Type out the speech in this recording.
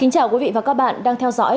cảm ơn các bạn đã theo dõi